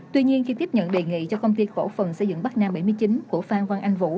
tuy nhiên khi tiếp nhận đề nghị cho công ty cổ phần xây dựng bắc nam bảy mươi chín của phan quang anh vũ